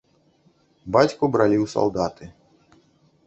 Бацьку бралі ў салдаты.